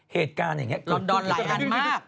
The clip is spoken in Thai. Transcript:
เหตุการณ์อย่างนี้รอนดอนหลายอันมาก